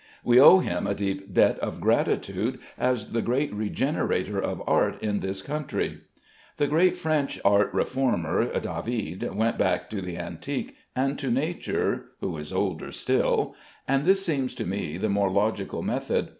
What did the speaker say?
We owe him a deep debt of gratitude as the great regenerator of art in this country. The great French art reformer, David, went back to the antique, and to nature (who is older still); and this seems to me the more logical method.